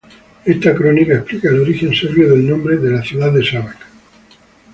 Esta crónica explica el origen serbio del nombre de la ciudad de Šabac.